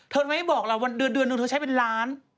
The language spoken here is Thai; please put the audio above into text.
เธอทำไมไม่บอกเราว่าเดือนนึงเธอใช้เป็นล้าน